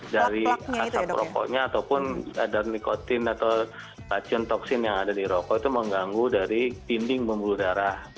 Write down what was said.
dari asap rokoknya ataupun daun nikotin atau racun toksin yang ada di rokok itu mengganggu dari dinding pembuluh darah